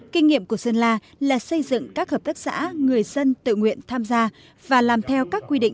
kinh nghiệm của sơn la là xây dựng các hợp tác xã người dân tự nguyện tham gia và làm theo các quy định